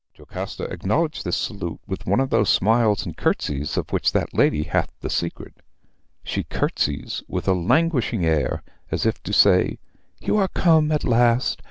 "Jocasta acknowledged this salute with one of those smiles and curtsies of which that lady hath the secret. She curtsies with a languishing air, as if to say, 'You are come at last.